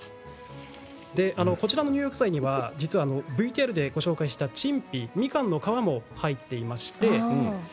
こちらの入浴剤には実はＶＴＲでご紹介した陳皮みかんの皮も入っています。